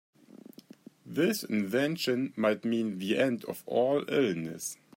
This invention might mean the end of all illness.